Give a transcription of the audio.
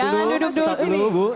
jangan duduk dulu bu